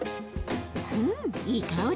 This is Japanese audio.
うんいい香り！